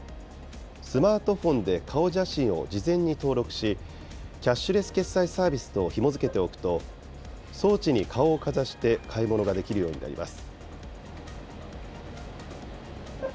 スマートフォンで顔写真を事前に登録し、キャッシュレス決済サービスとひも付けておくと、装置に顔をかざして買い物ができるようになります。